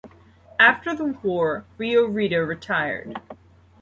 After the war, Rio Rita retired.